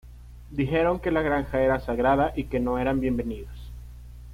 Dijeron que la granja era sagrada y que no eran bienvenidos.